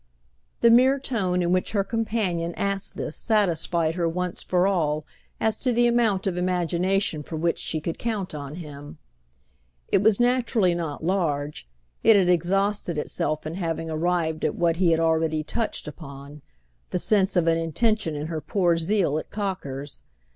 The mere tone in which her companion asked this satisfied her once for all as to the amount of imagination for which she could count on him. It was naturally not large: it had exhausted itself in having arrived at what he had already touched upon—the sense of an intention in her poor zeal at Cocker's.